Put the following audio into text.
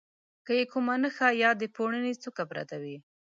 که یې کومه نخښه یا د پوړني څوکه پرته وه.